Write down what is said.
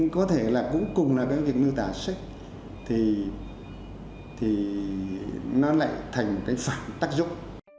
các việc miêu tả sách thì nó lại thành cái phần tác dụng